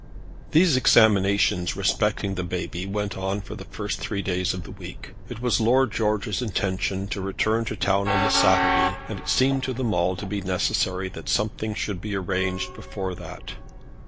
These examinations respecting the baby went on for the three first days of the week. It was Lord George's intention to return to town on the Saturday, and it seemed to them all to be necessary that something should be arranged before that.